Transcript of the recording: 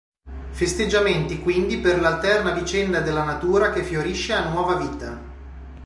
Festeggiamenti quindi per l'alterna vicenda della natura che fiorisce a nuova vita.